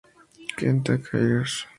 Kenta Hirose